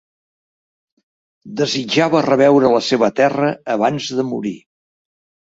Desitjava reveure la seva terra abans de morir.